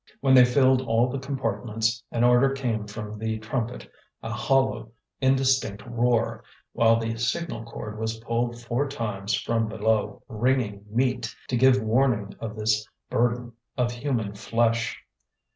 When they filled all the compartments, an order came from the trumpet a hollow indistinct roar while the signal cord was pulled four times from below, "ringing meat," to give warning of this burden of human flesh.